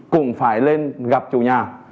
cũng phải lên gặp chủ nhà